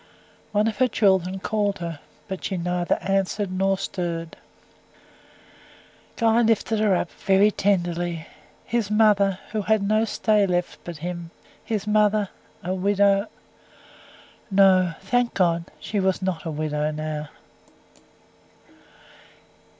One of her children called her, but she neither answered nor stirred. Guy lifted her up, very tenderly; his mother, who had no stay left but him his mother a widow No, thank God! she was not a widow now.